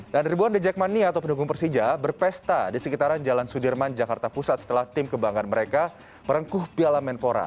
dan ribuan the jackmania atau pendukung persija berpesta di sekitaran jalan sudirman jakarta pusat setelah tim kebanggan mereka merengkuh piala menpora